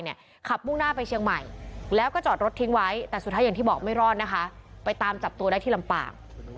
ขับมุ่งหน้าไปเชียงใหม่แล้วก็จอดรถทิ้งไว้แต่สุดท้ายอย่างที่บอกไม่รอดนะคะไปตามจับตัวได้ที่ลำปาง